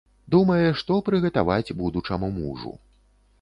Думае, што прыгатаваць будучаму мужу.